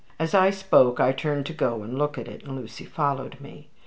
As I spoke, I turned to go and look at it, and Lucy followed me.